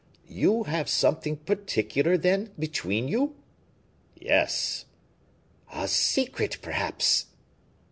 "You have something particular, then, between you?" "Yes." "A secret, perhaps?"